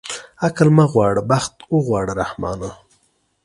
عقل مه غواړه بخت اوغواړه رحمانه.